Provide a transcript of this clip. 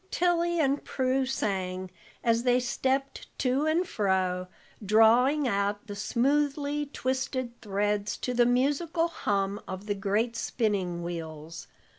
Tilly and Prue sang, as they stepped to and fro, drawing out the smoothly twisted threads to the musical hum of the great spinning wheels.